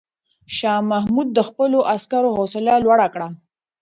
شاه محمود د خپلو عسکرو حوصله لوړه کړه.